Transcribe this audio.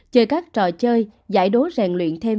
chơi các trò chơi giải đố rèn luyện thêm